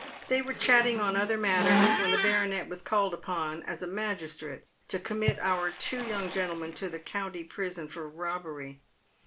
They were chatting on other matters, when the baronet was called upon, as a magistrate, to commit our two young gentlemen to the county prison for robbery.